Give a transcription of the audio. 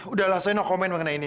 udahlah saya no comment mengenai ini